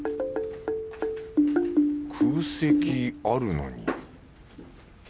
空席あるのに